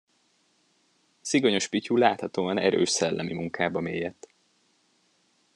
Szigonyos Pityu láthatóan erős szellemi munkába mélyedt.